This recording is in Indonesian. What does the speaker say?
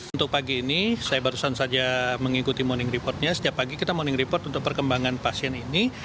untuk pagi ini saya barusan saja mengikuti morning reportnya setiap pagi kita morning report untuk perkembangan pasien ini